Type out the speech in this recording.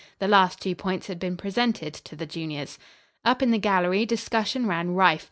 The last two points had been presented to the juniors. Up in the gallery discussion ran rife.